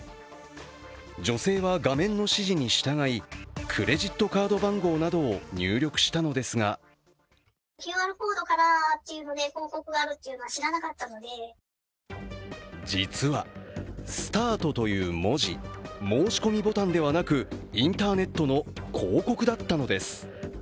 女性は画面の指示に従い、クレジットカード番号などを入力したのですが実は、スタートという文字、申し込みボタンではなく、インターネットの広告だったのです。